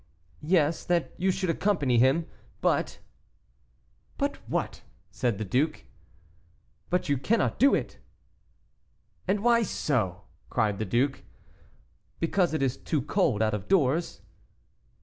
"Yes, that you should accompany him; but " "But what?" said the duke. "But you cannot do it!" "And why so?" cried the duke. "Because it is too cold out of doors."